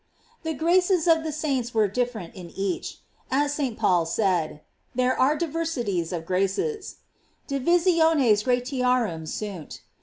The graces of the saints were different in each, as St. Paul said: There are diversities of graces: "Divisiones gratiarum sunt."